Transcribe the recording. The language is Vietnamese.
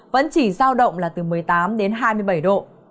vẫn chỉ giao động là từ một mươi tám đến hai mươi bảy độ